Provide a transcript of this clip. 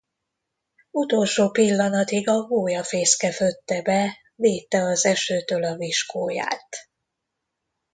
Utolsó pillanatig a gólya fészke födte be, védte az esőtől a viskóját.